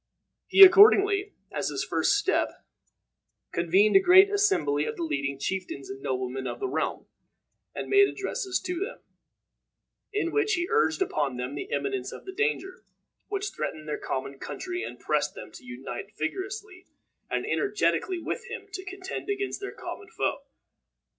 He accordingly, as his first step, convened a great assembly of the leading chieftains and noblemen of the realm, and made addresses to them, in which he urged upon them the imminence of the danger which threatened their common country, and pressed them to unite vigorously and energetically with him to contend against their common foe.